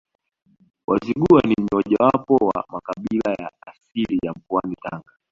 Wazigua ni mojawapo wa makabila ya asili ya mkoa wa Tanga